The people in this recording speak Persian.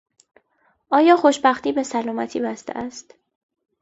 آیا خوشبختی به سلامتی بسته است؟